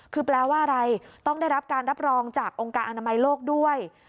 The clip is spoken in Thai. คือแปลว่าอะไรต้องได้รับการรับรองจากองค์การอนามัยโลกด้วย